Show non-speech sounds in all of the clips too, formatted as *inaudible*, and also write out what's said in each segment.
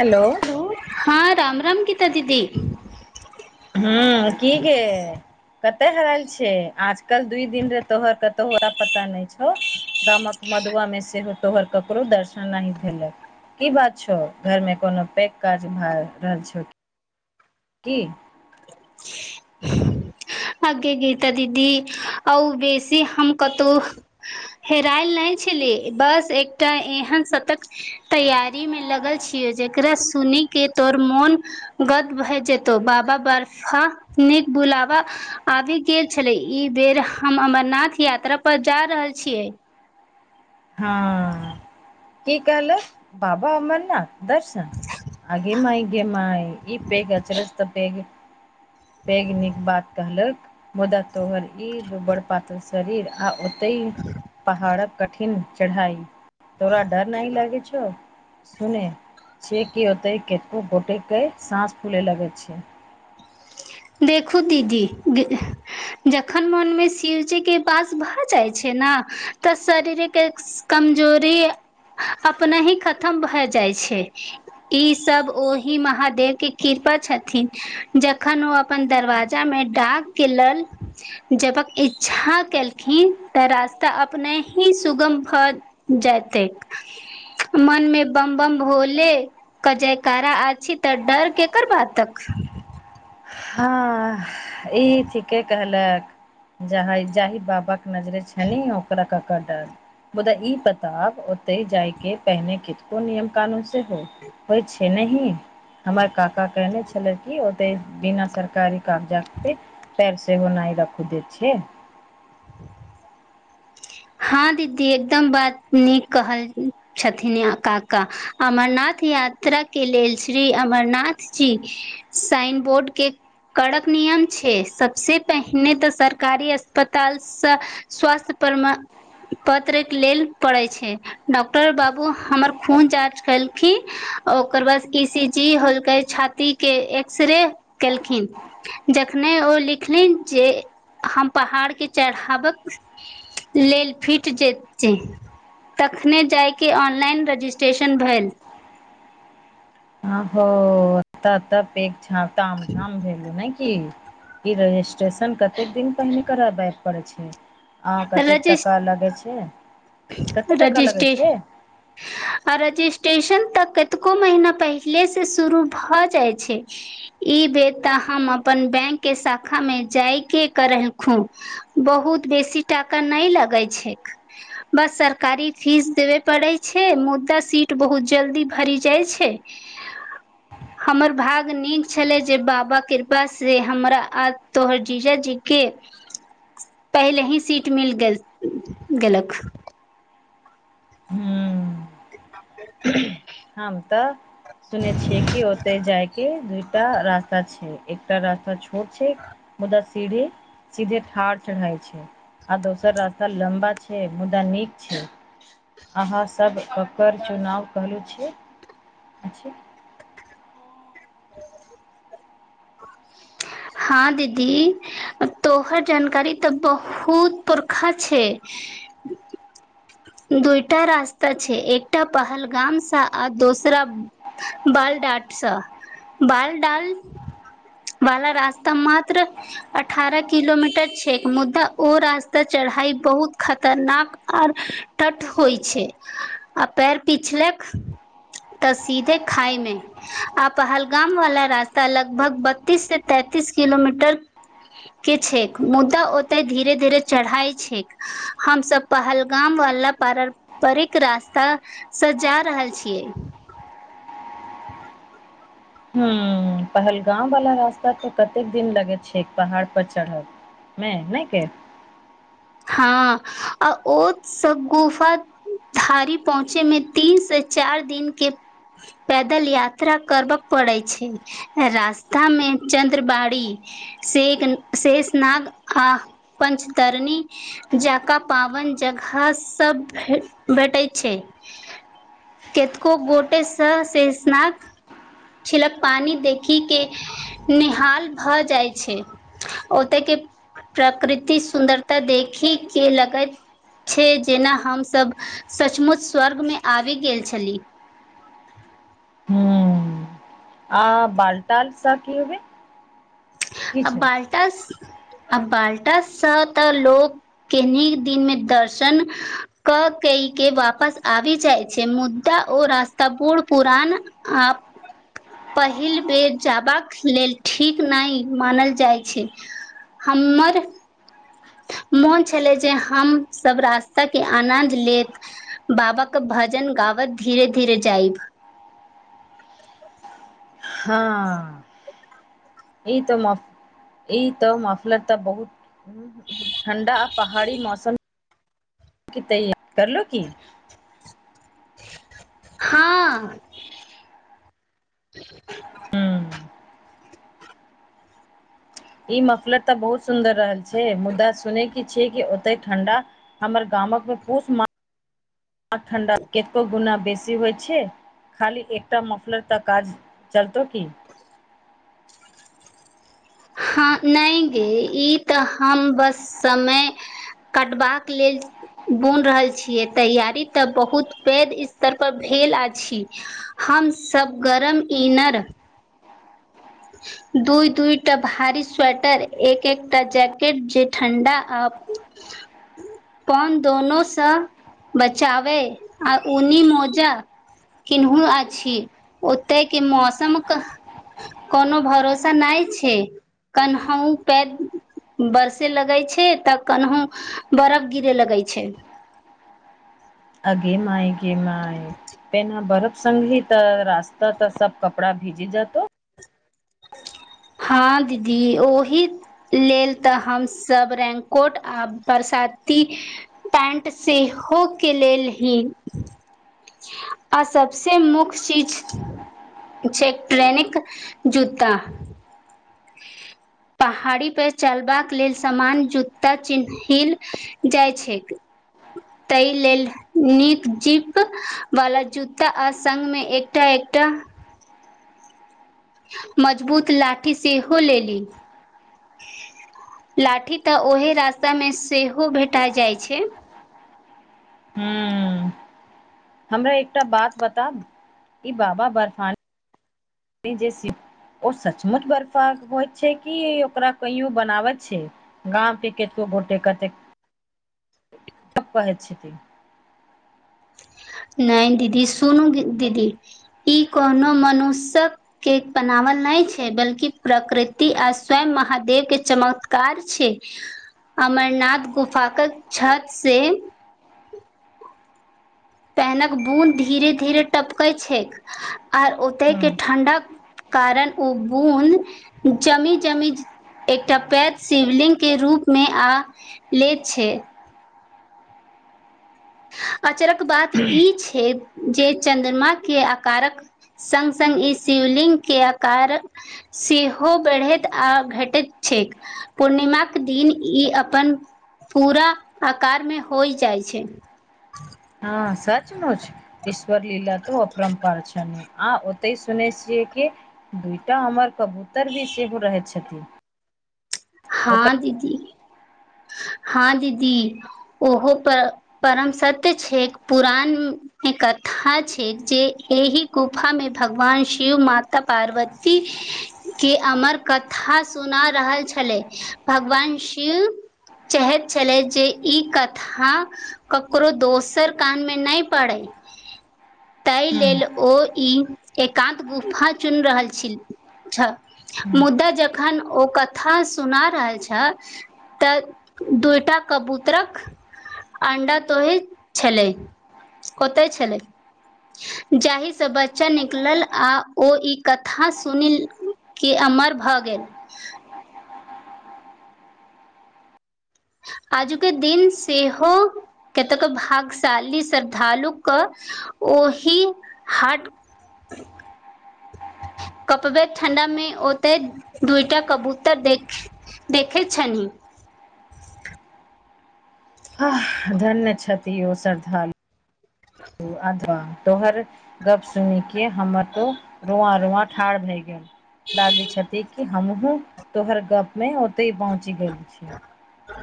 Hello. हुं हँ राम राम गीता दीदी। हँ की गे? कते हराल छै? आजकल दू दिन रे तोहर कतहु अता पता नहि छौ। दामक मधुआ मे सेहो तोहर ककरो दर्शन नहि भेलइ। की बात छौ घरमे कोनो पैघ काज भए रहल छौ की हँ गे गीता दीदी आउ बेसी हम कतौ हेरायल नहि छलैय बस एकटा एहन शतक तैयारी मे लगल छियै जेकरा सुनय के तोर मोन गद भए जेतो बाबा बर्फा नीक बुलावा आबि गेल छलैय, ई देर हम अमरनाथ यात्रा पर जा रहल छियै। हँ की कहलहुँ बाबा अमरनाथ, दर्शन। आगे माई गे माई ई पेैैघ अचरस तऽ पैघ पैघ नीक बात कहलक। मुदा तोहर ई दुबड़ पातर शरीर आ ओ तऽ ई पहाड़क कठिन चढ़ाई। तोरा डर न लागे छौ सुने, छे कीओ ओतैय के। दू गोटे कए साँस फूलै लगैय छैय। देखू दीदी, दी जखन मोनमे शिवजी के वास भऽ जाइ छैय नऽ तऽ शरीरिक कमजोरी अपनही खतम भए जाइ छैय। ई सभ ओहि महादेव के कृपा छथिन ज खन ओ अप्पन दरवाजा में डाक के लल जैबाक इच्छा केलखिन तऽ रास्ता अपने ही सुगम भऽ जयतैक, मन मे बम बम भोले क जयकारा अछी तऽ डर केकर बातक। हँ ई ठीके कहलक जहाय जाहि बाबा के नजरे छलि उं ओकरा ककर डर। मुदा ई बताब ओतैय जायके पहिने कितको नियम कानून सेहो होइ छैय नहि, हमर काका कहने छलैय कि ओते बिना सरकारी कागजात ट्रिक पैर से ओ नइ रखू देै छियै। हाँ दीदी एकदम बात नीक कहल छथिन यां काका अमरनाथ यात्राके लेल श्री अमरनाथ जी साइनबोर्ड के कड़क नियम छैय, सबसे पहिने तऽ सरकारी अस्पत ताल सँ स्वास्थ परमा पत्रेक लेल पड़ैय छैय। डाॅक्टर बाबू हमर खून जाँच कएलखिन, ओकर बाद ईसीजी होलकै छाती के एक्स -रे केलखि। जखने ओ लिखलैन जे हम पहाड़ के चढ़ावक लेल फिट जेचैंय। तखने जायके ऑनलाइन रजिस्ट्रेशन भेल। हं हो तऽ तऽ एतेक झा ताम-झाम भेलू नइ तीन, ई रजिस्ट्रेशन कतेक दिन पहिने कराबय पड़ै छैय। आ कतेक रजिस् टका लगैय छैय। रजिस्ट्रे आ रजिस्ट्रेशन तऽ कतको महीना पहिले से शुरू भए जाय छैय ई बेर तऽ हम अपन बैंक के शाखा मे जाई के कऽ रहम खूम। बहुत बेसी टाका नहि लगै छैक। बस सरकारी फीस देबे पड़ै छै, मुदा सीट बहुत जल्दी भरि जाइ छै। *inaudible* हमर भाग नीक छलै जे, बाबा कृपा से हमरा आ तोहर जीजाजी के पहिले ही सीट मिल गेल-गेलक। हूँ *unintelligible* हम तऽ सुने छिय कि, ओते जाय के दूइटा रास्ता छै, एकटा रास्ता छु छोट छै मुदा सीढ़ी सीधे ठाढ़ चढ़ाय छै। आ दोसर रास्ता लम्बा छै मुद्दा नीक छै। अहाँसब ककर चुनाव कहलु छियै अछि। हाॅं दीदी तोहर जानकारी तऽ बहुत पुरखा छै। दूइटा रास्ता छै, एकटा पहलगाम सा आ दोसरा बाल डाट सऽ बाल डाल वाला रास्ता मात्र अठारह किलोमीटर छैेक, मुदा ओ रास्ता चढ़ाई बहुत खतरनाक आर तट होइ छै, आ पैर पिछलक तऽ सीधे खाय मे आ पहलगाम वाला रास्ता लगभग बत्तीस से तैंतीस किलोमीटर के छैक, मुद्दा ओतय धीरे-धीरे चढ़ाय छैक, हमसब पहलगाम वाला पारप्ररिक रास्ता स जा रहल छियै। हूं पहलगाँव वाला रास्ता, त कतेक दिन लगैत छै पहाड़ पर चढ़ब मे नैय के हँ आ ओ सब गुफा थारी पहुँचे मे तीन से चार दिन के- पैदल यात्रा करबऽ पड़े छै। रास्ता में चन्द्र बाड़ी शेक शेष नाग आ पञ्चतरणी जंका पावन जगह सब भे भेटै छै। केतको गोटेसँ सऽ शेषनाक छिलक पानी देखी के निहाल भ जाय छै। ओते के प्रकृति सुन्दरता देखी के लगैत छै, जेना हमसब सचमुच स्वर्गमे आबि गेल छली। हूँ आ बालटाल स कि हेबै आ बालटास- आ बालटास सँ तऽ लोक के नीक दिन मे दर्शन कऽ के इ के वापस आबि जाइ छै, मु द्या ओ रास्ता बुढ़ -पुरान आ पहिल बेर जबाक लेल ठीक- नहि मानल जाइ छै हमर मोन छेलै जे हम सब रास्ता के आनन्द लेत बाबाक भजन गावत धीरे-धीरे जाइब। हँऽ ई तऽ मफ, ई तऽ मफलर तऽ बहुत ठण्डा आ पहाड़ी मौसम के तैयार करलो की हँऽ ई मफलर तऽ बहुत सुन्दर रहल छै, मुद्दा सुने कि छियै कि ओतय ठंडा हमर गामकमे पूस मा *inaudible* ठण्डा केतको गुना बेसी होइ छे। खाली एकटा मफलर तक काज चलतौ की? हाॅं नैय गे ई तऽ हम बस समय कटबाक लेल बुन रहल छियै, तैयारी तऽ बहुत पैद स्तर पर भेल अछि। हम सब गरम इनर *inaudible* दूइ-दूइटा भारी स्वेटर, एक-एकटा जैकेट जे ठण्डा आ *inaudible* पन दोनोसँ बचावे आ ऊनी मोजा किनहु आछि ओतै के मौसम कह कोनो भरोसा नहि छै कनहु पै बरसे लगै छै तऽ कनहु बरफ गिरे लगै छै आ गे माइ गे माइ त एना बरफ संगी तऽ रास्ता तऽ सब कपड़ा भीजी जेतो। हाॅं दीदी ओहि लेल तऽ हमसब रैनकोट आ बरसाती पैंट सेहो के लेल ही आ सबसे मुख्य चीज छै ट्रेनिक जूता। पहाड़ी पर चलबाक लेल समान जूता चिन्हील जाइ छैक तै लेल नीक जीप वाला जूता आ संग मे एकटा- एकटा मजबूत लाठी सेहो लेली। लाठी तऽ ओहे रास्ता मे सेहो भेटा जाइ छै। हूँ हमरा एकटा बात बताब ई बाबा बर्फानी में जे शिव ओ सचमुच बर्फाक होइ छै कि ओकरा कइयो बनाबत छै? गाम के केत को गोटे कते *inaudible* *unintelligible* छथिन नै दीदी सुनू दीदी ई कोनो मनुष्यक के बनावल नै छै बल्कि प्रकृति आ स्वयं महादेव के चमत्कार छै। अमरनाथ गुफा के छत से पैनक बूंद धीरे-धीरे टपकै छैक आर ओतै के ठण्डक कारण उ बूंद जमी-जमी एकटा पैत शिवलिंगके रूपमे आ लेत छै। अचरक बात ई छै जे चन्द्रमा के आकारक संग संग ई शिवलिंग के आकार सेहो बढ़ैत आ घटैत छैक। पूर्णिमाक दिन ई अपन पूरा आकार मे होइ जाइ छै। हँ सचमुच इस् श्वरलीला तो अपरम्पार छनि आ ओतै सुनै छियै कि दूइटा अमर कबूतर भी सेहो रहै छथिन। हाॅं दीदी, हाॅं दीदी ओहो पर परम सत्य छैक पुरान इ कथा छै, जे एहि गुफा में भगवान शिव माता पार्वती के अमर कथा सुना रहल छ छलै भगवान शिव चाहैत छलथि जे ई कथा ककरो दोसर कान मे नहि पड़ै। तै लेल ओ ई एकांत गुफा चुन रहल छील छ मुद्दा जखन ओ क कथा सुना रहल छ तऽ दूटा कबूतरक अंडा तोही छलैय ओतय छलै। जाहिसँ बच्चा निकलल आ ओ ई कथा सुनि के अमर भऽ गेल। आजुके दिन सेहो केतक भागशाली श्रद्धालुक ओहि हाट कपबे ठंडा मे ओते दूइटा कबूतर देख- देखै छनि। आह धन्य छथि इहो श्रद्धालु। ह *inaudible* *unintelligible* तोहर गप सुनि के हमर तो रुआं -रुआं ठाढ़ भए गेल। लागे छथि कि हमहूँ, तोहर गप मे ओतय पहुँच गेल छी। ह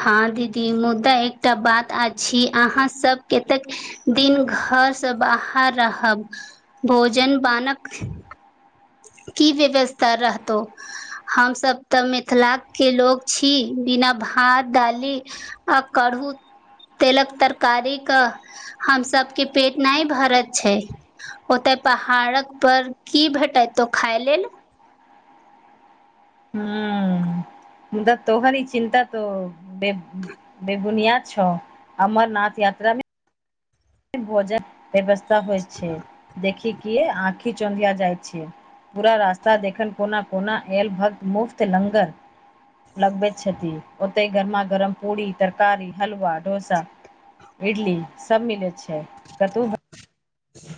*inaudible* हँ दीदी मुदा एकटा बात अछि, अहाँ सबक कतेक। दिन घरसँ बाहर रहब भोजन बानक कि व्यवस्था रहतौ, हमसब तऽ मिथिलाक के लोग छी बिना भात दाली आ करू तेलक तरकारी कऽ हम सब के पेट नहि भरत छै। ओते पहाड़क पर की भेटैतो खाय लेल। हू। मुदा तोहार ई चिन्ता तो बे- बेबुनियाद छौ। अमरनाथ यात्रा में भोजन व्यवस्था होइ छै, देखि कि आँखि चौधिया जाइ छै। पूरा रास्ता देखन कोना -कोना एल भक्त मुफ्त लंगर लगबैत छथि ओतय गरमा गरम पूरी तरकारी हलवा डोसा इडली सब मिलैत छै, कतौ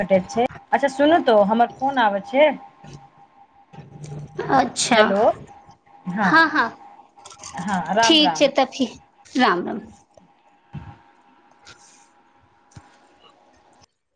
भटैत छै, अच्छा सुनू तो हमर फोन आबैत छै। अ च्छा हेलो हँ - हँ हँ राम ठीक राम छै तऽ फि राम -राम।